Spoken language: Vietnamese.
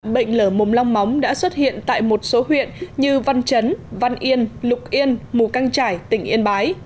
bệnh lở mồm long móng đã xuất hiện tại một số huyện như văn chấn văn yên lục yên mù căng trải tỉnh yên bái